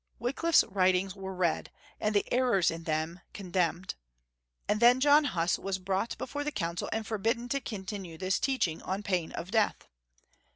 Wickliffe's writings were read, and the errors in them condemned, and then John Huss was brought before the Council and forbidden to continue this teaching on pain of death.